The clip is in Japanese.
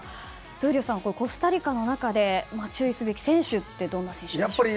闘莉王さん、コスタリカの中で注意すべき選手はどんな選手でしょうか。